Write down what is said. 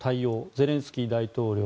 ゼレンスキー大統領